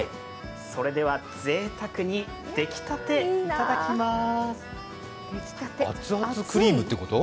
それではぜいたくに出来たていただきます！